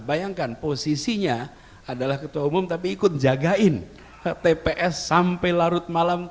bayangkan posisinya adalah ketua umum tapi ikut jagain tps sampai larut malam